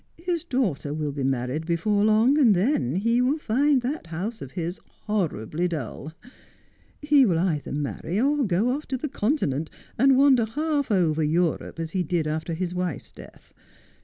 ' His daughter will be married before long, and then he will find that house of his horribly dull. He will either marry, or go off to the Continent and wander half over Europe, as he did after hi.s wife's death.